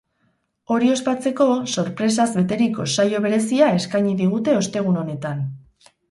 Hori ospatzeko, sorpresaz beteriko saio berezia eskaini digute ostegun honetan.